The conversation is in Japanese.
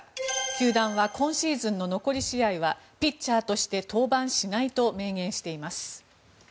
球団は今シーズンの残り試合はピッチャーとして登板しないと明言しています。